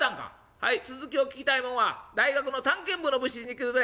「はい続きを聞きたいもんは大学の探検部の部室に来てくれ。